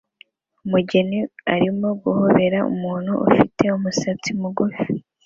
Umugeni arimo guhobera umuntu ufite umusatsi mugufi